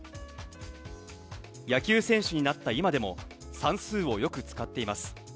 野球選手になった今でも、算数をよく使っています。